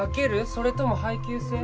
それとも配給制？